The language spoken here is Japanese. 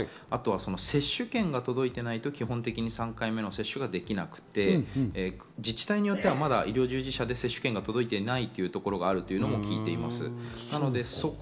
あとは接種券が届いていないと３回目の接種ができなくて自治体によっては医療従事者でも接種券が届いていないという自治体も聞いています。